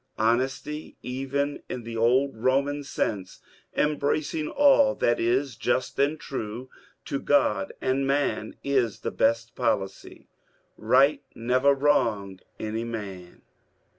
Honesty, even in the old Boman sense, embracing all tluit is just and true to God and man, is the best policy. Bight never wronged any man.